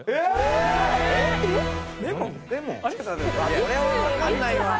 これは分かんないわ！